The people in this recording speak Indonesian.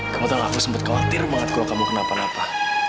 kamu tau aku sempet khawatir banget kalo kamu kenapa napa